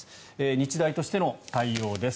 日大としての対応です。